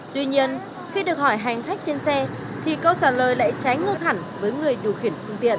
tuy nhiên khi được hỏi hành khách trên xe thì câu trả lời lại trái ngược hẳn với người điều khiển phương tiện